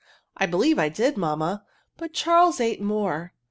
*''' I believe I did, mamma; but Charles ate. more.'